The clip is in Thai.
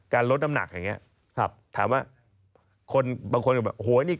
การลดน้ำหนักแบบเนี่ย